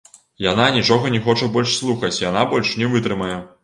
Яна нічога не хоча больш слухаць, яна больш не вытрымае.